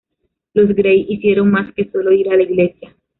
Los Grey hicieron más que solo ir a la iglesia.